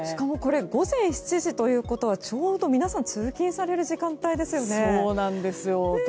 午前７時ということはちょうど皆さん、通勤されるそうなんですよ。